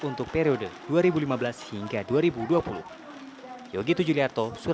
untuk periode dua ribu lima belas hingga dua ribu dua puluh